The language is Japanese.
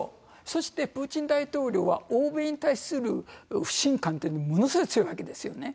そしてプーチン大統領は、欧米に対する不信感っていうのがものすごい強いわけですよね。